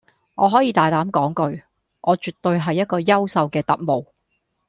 我可以大膽講句，我絕對係一個優秀嘅特務